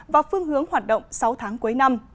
và phương hướng hoạt động sáu tháng cuối năm